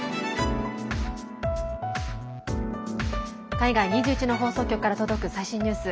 海外２１の放送局から届く最新ニュース。